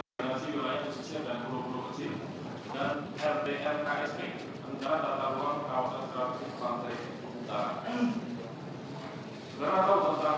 saya semua diberi dan komisi apa berjaga